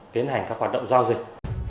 tiến hành các hoạt động giao dịch